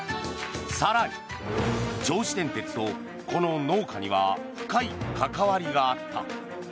更に、銚子電鉄とこの農家には深い関わりがあった。